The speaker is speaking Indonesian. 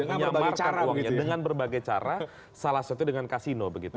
menyamarkan uangnya dengan berbagai cara salah satunya dengan kasino begitu